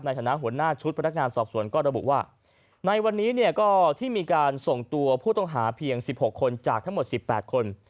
หัวหน้าชุดพนักงานสอบสวนก็ระบุว่าในวันนี้เนี่ยก็ที่มีการส่งตัวผู้ต้องหาเพียง๑๖คนจากทั้งหมด๑๘คน